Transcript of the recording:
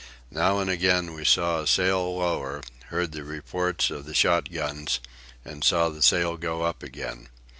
Now and again we saw a sail lower, heard the reports of the shot guns, and saw the sail go up again.